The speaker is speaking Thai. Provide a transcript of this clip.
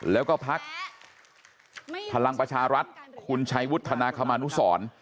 แล้วก็พักพลังประชารัฐคุณชัยวุฒนาคมานุสร